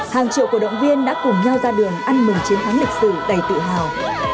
hàng triệu cổ động viên đã cùng nhau ra đường ăn mừng chiến thắng lịch sử đầy tự hào